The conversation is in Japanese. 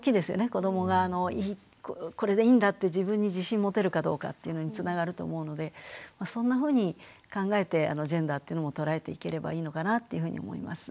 子どもがこれでいいんだって自分に自信持てるかどうかっていうのにつながると思うのでそんなふうに考えてジェンダーっていうのも捉えていければいいのかなっていうふうに思います。